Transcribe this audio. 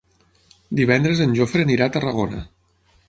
Divendres en Jofre anirà a Tarragona.